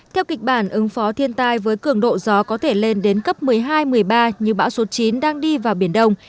theo kịch bản ứng phó thiên tai với cường độ gió có thể lên đến cấp một mươi hai một mươi ba như bão số chín đang đi vào biển đông